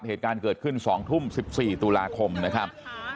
เหตุการณ์เกิดขึ้น๒ทุ่ม๑๔ตุลาคมนะครับ